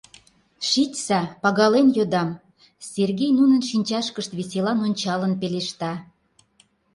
Шичса, пагален йодам, — Сергей нунын шинчашкышт веселан ончалын пелешта.